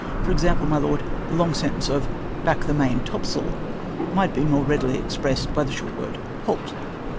For example, my Lord, the long sentence of " bach the main topsail,'''' might be more readily expressed by the short word "halt!